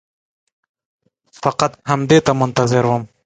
فقط همدې ته منتظر وم.